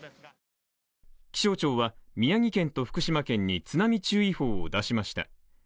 気象庁は宮城県と福島県に津波注意報を出しました。